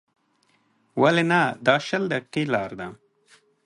ولې نه، دا شل دقیقې لاره ده.